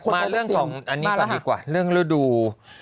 มาเรื่องของอันนี้ก่อนดีกว่าเรื่องฤดู